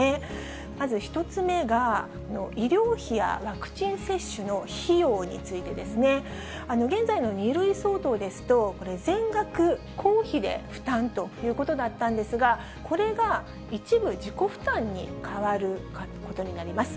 まず１つ目が、医療費やワクチン接種の費用についてですね。現在の２類相当ですと、これ、全額公費で負担ということだったんですが、これが一部自己負担に変わることになります。